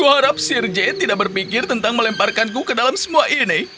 ku harap sirje tidak berpikir tentang melemparkanku ke dalam semua ini